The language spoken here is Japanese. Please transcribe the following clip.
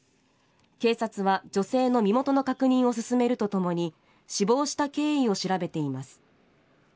警察は、女性の身元の確認を進めるとともに死亡した経緯を調べています。